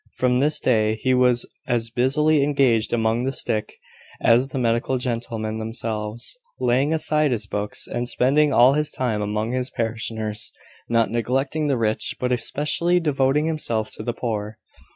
From this day, he was as busily engaged among the sick as the medical gentlemen themselves; laying aside his books, and spending all his time among his parishioners; not neglecting the rich, but especially devoting himself to the poor.